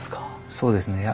そうですね。